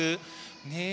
ねえ。